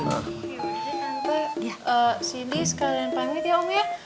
nanti sini sekalian pamit ya om ya